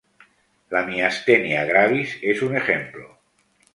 La miastenia gravis es un ejemplo.